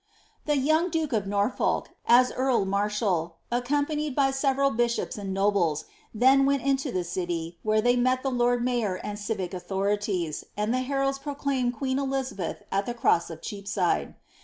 The young duke of Norfolk, as earl marshal, accompanied by several bishops and nobles, then went into the city, where they met the lord mayor and civic authorities, and the heralds proclaimed queen Elizabeth at the cross of Cheapside.